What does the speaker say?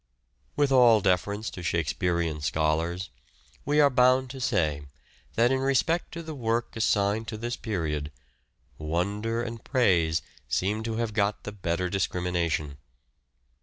With all deference to Shakespearean scholars, we are bound to say that, in respect to the work assigned to this period, wonder and praise seem to have got the better of discrimination.